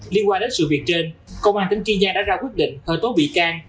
liên quan đến sự việc trên công an tỉnh kỳ giang đã ra quyết định thời tố bị can